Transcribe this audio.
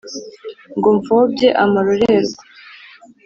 ngo mpfobye amarorerwa